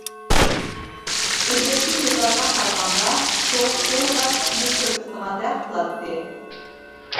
ئىلگىرىكى يىللارغا قارىغاندا سوغۇق خېلىلا كۈچىنى كۆرسىتىدىغاندەك قىلاتتى.